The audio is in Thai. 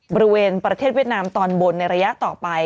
บริเวณประเทศเวียดนามตอนบนในระยะต่อไป